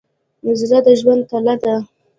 زړه د ژوند تله ده.